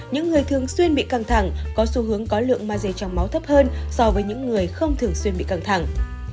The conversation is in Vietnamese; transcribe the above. những người thường xuyên bị căng thẳng có xu hướng có lượng maze trong máu thấp hơn so với những người không thường xuyên bị căng thẳng